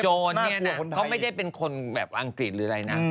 เนี่ยนะเขาไม่ได้เป็นคนแบบอังกฤษหรืออะไรนะ